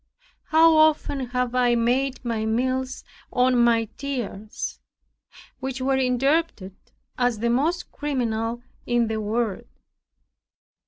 How often have I made my meals on my tears, which were interpreted as the most criminal in the world!